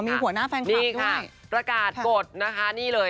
อ๋อมีหัวหน้าแฟนคลับด้วยนี่ค่ะประกาศกฎนะคะนี่เลย